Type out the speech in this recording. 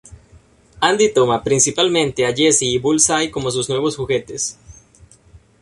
Andy toma, principalmente, a Jessie y a Bullseye, como sus nuevos juguetes.